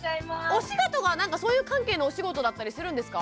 お仕事がなんかそういう関係のお仕事だったりするんですか？